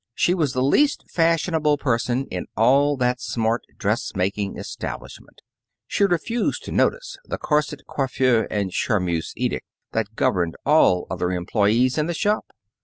She was the least fashionable person in all that smart dressmaking establishment. She refused to notice the corset coiffure and charmeuse edict that governed all other employees in the shop.